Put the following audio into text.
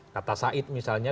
kata said misalnya